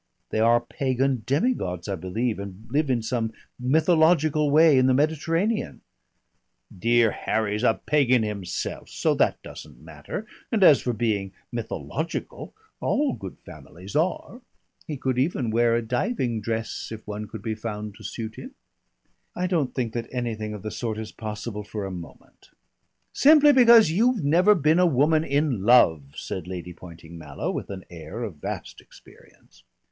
"They are pagan demigods, I believe, and live in some mythological way in the Mediterranean." "Dear Harry's a pagan himself so that doesn't matter, and as for being mythological all good families are. He could even wear a diving dress if one could be found to suit him." "I don't think that anything of the sort is possible for a moment." "Simply because you've never been a woman in love," said Lady Poynting Mallow with an air of vast experience.